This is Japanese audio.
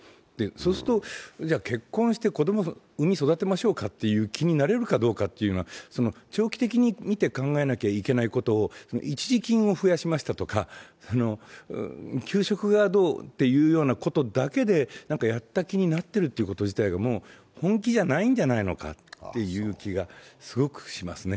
そうすると、結婚して子どもを産み育てましょうかという気になれるかというと、長期的に見て考えなきゃいけないことを、一時金を増やしましたとか給食費がどうということだけでやった気になってるということ自体がもう本気じゃないんじゃないのかっていう気がすごくします